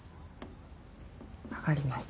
わかりました。